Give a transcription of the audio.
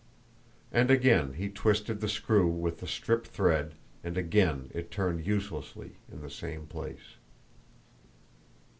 And again he twisted the screw with the stripped thread, and again it turned uselessly in the same place.